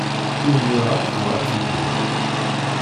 Ur nwiɣ ara tebɣa ad teddu.